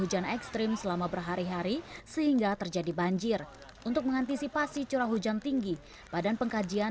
kunnen kita ambil dobryua aldawan